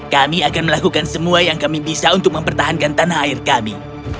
kami akan melakukan semua yang kami bisa untuk mempertahankan tanah air kami